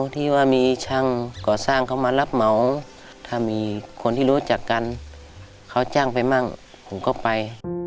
ที่ว่ามีช่างก่อสร้างเขามารับเหมาถ้ามีคนที่รู้จักกันเขาจ้างไปมั่งผมก็ไป